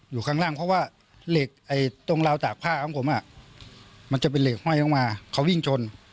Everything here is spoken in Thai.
อยู่ข้างล่างเพราะว่าเหล็กตรงราวตากผ้าของผมมันจะเป็นเหล็กห้อยลงมาเขาวิ่งชน